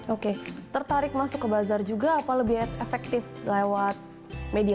oke tertarik masuk ke bazar juga apa lebih efektif lewat media